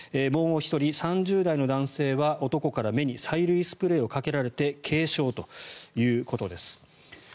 もう１人、３０代の男性は男から目に催涙スプレーをかけられて軽傷ということです。